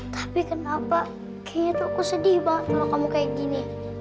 tapi kenapa kayaknya tuh aku sedih banget kalau kamu kayak gini